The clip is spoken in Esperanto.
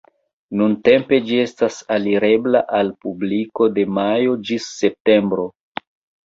Nuntempe ĝi estas alirebla al publiko de majo ĝis septembro.